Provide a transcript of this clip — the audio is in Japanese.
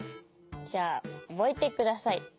じゃあおぼえてください。